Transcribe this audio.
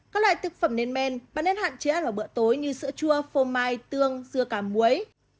các loại thực phẩm lên men bạn nên hạn chế ăn vào bữa tối như sữa chua phô mai tương dưa cà muối